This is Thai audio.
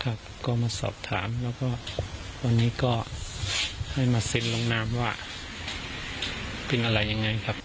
ก็มาสอบถามแล้วก็วันนี้ก็ให้มาเซ็นลงนามว่าเป็นอะไรยังไงครับ